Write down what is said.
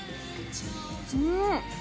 うん！